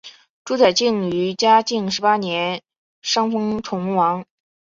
朱载境于嘉靖十八年袭封崇王。